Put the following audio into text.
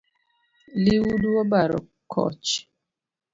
Liudu obaro koch .